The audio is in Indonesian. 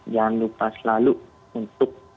jangan lupa selalu untuk